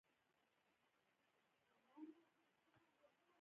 نه به قرباني وه او نه زموږ خوږ پیغمبر.